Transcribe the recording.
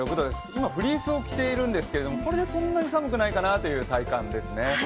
今、フリースを着ているんですけどこれでそんなに寒くないかなという体感ですね。